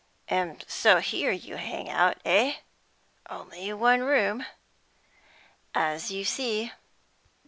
"And so here you hang out, eh? Only one room?" "As you see."